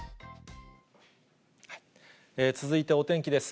続いてお天気です。